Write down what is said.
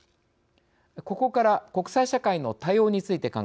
ここから国際社会の対応について考えます。